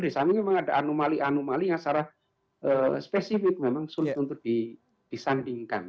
di samping memang ada anomali anomali yang secara spesifik memang sulit untuk disandingkan